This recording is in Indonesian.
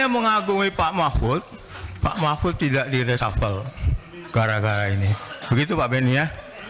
begitu pak benny ya